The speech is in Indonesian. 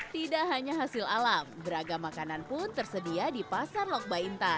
tidak hanya hasil alam beragam makanan pun tersedia di pasar lok baintan